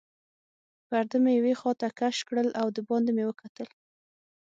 پرده مې یوې خواته کړل او دباندې مې وکتل.